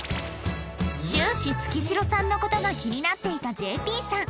終始月城さんの事が気になっていた ＪＰ さん